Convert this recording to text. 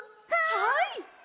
はい！